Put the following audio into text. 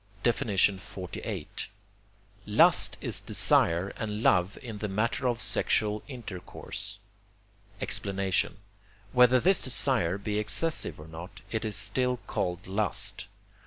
XLVIII. Lust is desire and love in the matter of sexual intercourse. Explanation Whether this desire be excessive or not, it is still called lust.